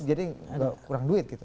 jadi kurang duit gitu